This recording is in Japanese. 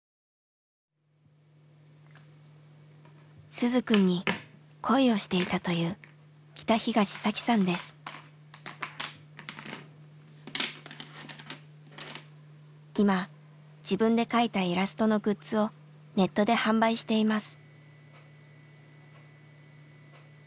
鈴くんに恋をしていたという今自分で描いたイラストのグッズをネットで販売しています。